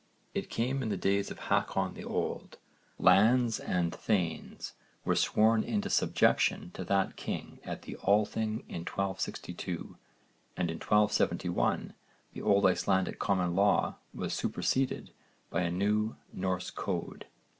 It came in the days of Hákon the Old. 'Land and thanes' were sworn into subjection to that king at the Althing in 1262, and in 1271 the old Icelandic common law was superseded by a new Norse code.